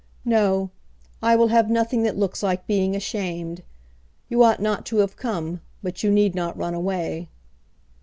"No; I will have nothing that looks like being ashamed. You ought not to have come, but you need not run away."